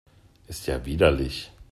Ist ja widerlich!